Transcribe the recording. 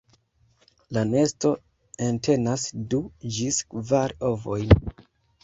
La nesto entenas du ĝis kvar ovojn.